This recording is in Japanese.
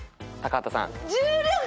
高畑さん。